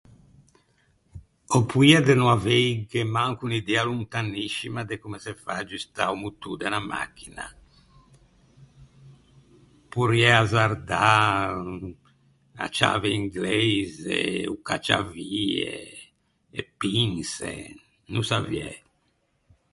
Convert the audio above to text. Ò poia de no aveighe manco unn’idea lontaniscima de comme se fâ à aggiustâ o motô de unna machina. Porriæ azzardâ unna ciave ingleise, o cacciavie, e pinse, no saviæ.